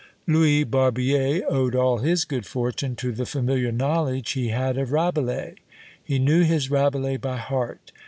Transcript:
Louis Barbier owed all his good fortune to the familiar knowledge he had of Rabelais. He knew his Rabelais by heart.